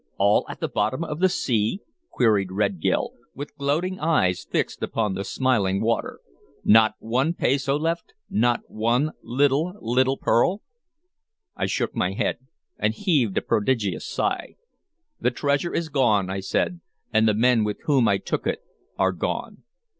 "All at the bottom of the sea?" queried Red Gil, with gloating eyes fixed upon the smiling water. "Not one pezo left, not one little, little pearl?" I shook my head and heaved a prodigious sigh. "The treasure is gone," I said, "and the men with whom I took it are gone.